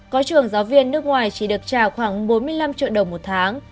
có trường giáo viên nước ngoài chỉ được trả khoảng bốn mươi năm triệu đồng một tháng